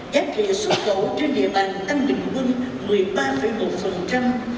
giá trị xuất khẩu trên địa bàn tăng bình quân một mươi ba một thu ngân sách nhà nước bình quân tăng một mươi sáu ba